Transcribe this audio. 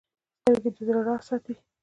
سترګې د زړه راز ساتي